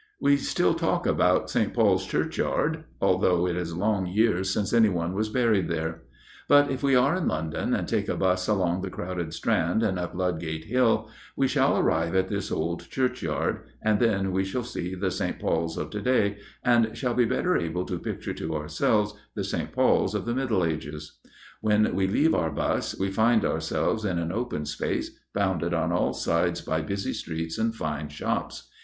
We still talk about 'St. Paul's Churchyard,' although it is long years since anyone was buried there; but if we are in London, and take a bus along the crowded Strand, and up Ludgate Hill, we shall arrive at this old churchyard, and then we shall see the 'St. Paul's' of to day, and shall be better able to picture to ourselves the 'St. Paul's' of the Middle Ages. When we leave our bus, we find ourselves in an open space bounded on all sides by busy streets and fine shops.